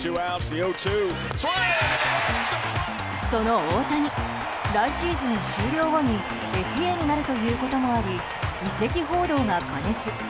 その大谷、来シーズン終了後にＦＡになるということもあり移籍報道が過熱。